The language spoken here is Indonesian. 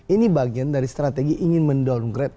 ini bagian dari strategi ingin men downgrade